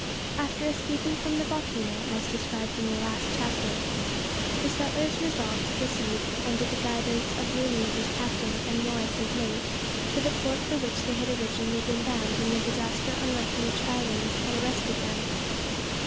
After escaping from the volcano, as described in the last chapter, the settlers resolved to proceed, under the guidance of Malines as captain, and Morris as mate, to the port for which they had originally been bound when the disaster on Refuge Islands had arrested them.